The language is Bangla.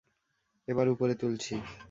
এবার উপরে তুলছি।